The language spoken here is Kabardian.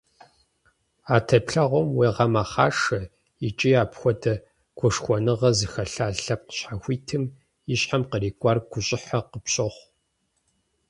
А теплъэгъуэм уегъэмэхъашэ икӀи апхуэдэ гушхуэныгъэ зыхэлъа лъэпкъ щхьэхуитым и щхьэм кърикӀуар гущӀыхьэ къыпщохъу.